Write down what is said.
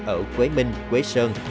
ở quế minh quế sơn